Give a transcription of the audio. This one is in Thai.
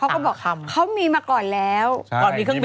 มาห้ามเขาได้ยังไง